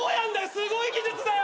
すごい技術だよ！